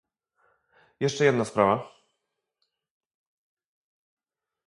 Jeszcze jedna sprawa